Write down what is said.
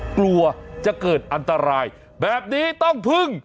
กลัวจะเกิดอันตรายแบบนี้ต้องพึ่ง